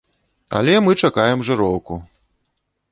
Але мы чакаем жыроўку!